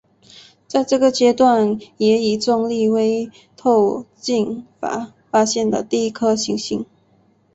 在这个阶段也以重力微透镜法发现了第一颗行星。